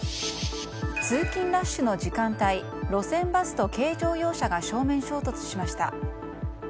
通勤ラッシュの時間帯路線バスと軽乗用車が正面衝突しました。